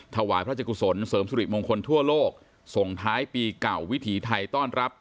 ถวายพระเจ้ากุศลเสริมสุริมงคลทั่วโลกส่งท้ายปีเก่าวิถีไทยต้อนรับ